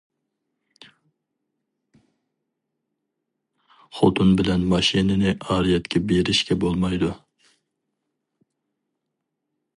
خوتۇن بىلەن ماشىنىنى ئارىيەتكە بېرىشكە بولمايدۇ.